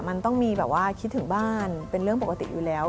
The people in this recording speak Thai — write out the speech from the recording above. มันต้องมีแบบว่าคิดถึงบ้านเป็นเรื่องปกติอยู่แล้ว